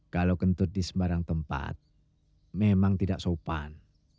kalau kentut di sembarang tempat memang tidak sopan